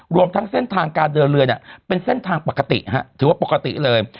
รวมทั้งเส้นทางการเดินเรือเนี่ยเป็นเส้นทางปกติถือว่าปกติเลย